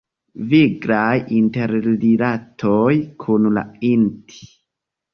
Viglaj interrilatoj kun la int.